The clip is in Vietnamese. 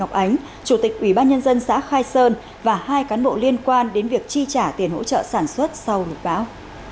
nguyễn ngọc ánh chủ tịch ủy ban nhân dân xã khai sơn và hai cán bộ liên quan đến việc chi trả tiền hỗ trợ sản xuất sau lũ bão